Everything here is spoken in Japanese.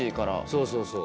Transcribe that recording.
そうそうそう。